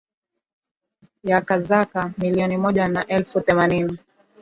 ya Kazakhs milioni moja na elfuthemanini